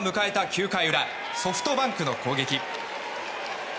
９回裏ソフトバンクの攻撃。